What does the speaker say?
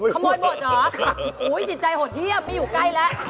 ขโมยบทหรืออุ๊ยจิตใจหดเยี่ยมไม่อยู่ใกล้แล้ว